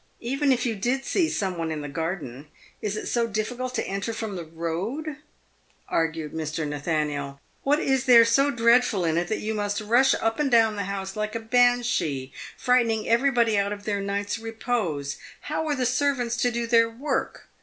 " Even if you did see some one in the garden, is it so difficult to enter from the road ?" argued Mr. Nathaniel. " What is there so dreadful in it that you must rush up and down the house like a banshee, frightening everybody out of their night's repose ? How are the servants to do their work